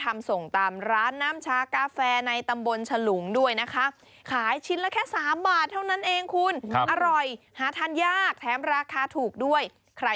มันจะถึงที่นี่มันจะเย็นเหรอสิ